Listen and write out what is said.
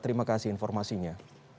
terima kasih informasinya